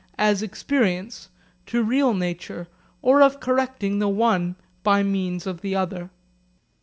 _ as experience) to real nature, or of correcting the one by means of the other.'